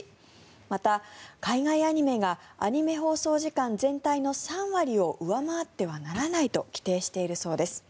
また、海外アニメがアニメ放送時間全体の３割を上回ってはならないと規定しているそうです。